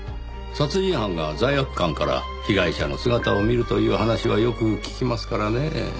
殺人犯が罪悪感から被害者の姿を見るという話はよく聞きますからねぇ。